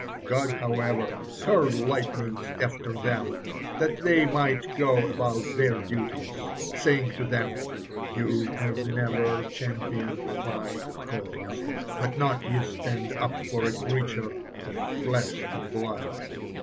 God, however, hurled lightnings after them, that they might go about their duties, saying to them: "You have never championed My cause, but not you stand up for a creature of flesh and blood."